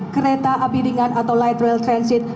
kereta api ringan atau light rail transit